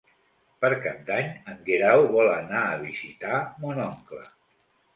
Per Cap d'Any en Guerau vol anar a visitar mon oncle.